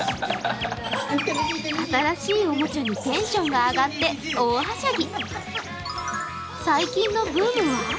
新しいおもちゃにテンションが上がって大はしゃぎ。